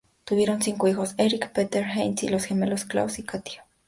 Tuvieron cinco hijos: Erik, Peter, Heinz y los gemelos Klaus y Katia.